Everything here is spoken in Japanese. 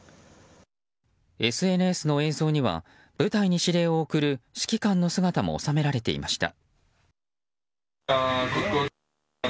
ＳＮＳの映像には部隊に指令を送る指揮官の姿も収められていました。